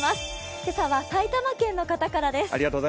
今朝は埼玉県の方からです。